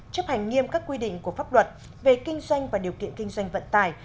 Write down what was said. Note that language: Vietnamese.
chấp hành nghiêm các quy định của pháp luật về kinh doanh và điều kiện kinh doanh vận tải